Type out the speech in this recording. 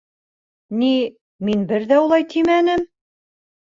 Ни, мин бер ҙә улай тимәнем!